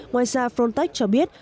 ngoài ra frontex cho biết